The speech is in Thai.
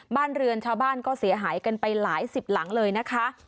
บ้านเรือนชาวบ้านก็เสียหายกันไปหลายสิบหลังเลยนะคะ